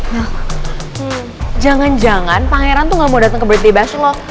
mel jangan jangan pangeran tuh gak mau dateng ke birthday bash lo